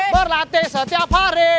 berlatih setiap hari